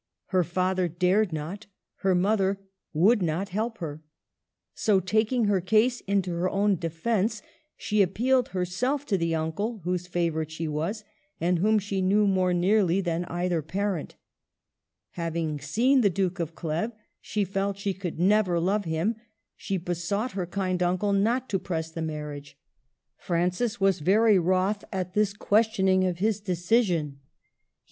Her father dared not, her mother would not help her. So, taking her case into her own defence, she appealed herself to the uncle whose favorite she was, and whom she knew more nearly than either parent. Hav ing seen the Duke of Cleves, she felt she could never love him ; she besought her kind uncle not to press the marriage. Francis was very wroth at this questioning of his decision. He A FALSE STEP.